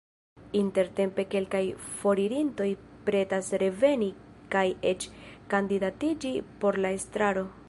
Intertempe kelkaj foririntoj pretas reveni kaj eĉ kandidatiĝi por la estraro.